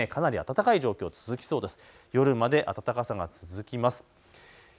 かなり暖かい状況、続きそうです。